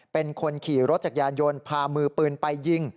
เป็นคนขี่รถจักรยานยนต์พามือปืนไปยิง